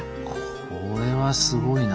これはすごいな。